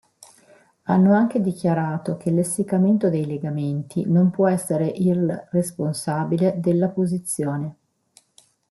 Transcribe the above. Hanno anche dichiarato che l'essiccamento dei legamenti non può essere il responsabile della posizione.